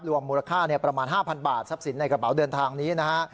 มูลค่าประมาณ๕๐๐บาททรัพย์สินในกระเป๋าเดินทางนี้นะฮะ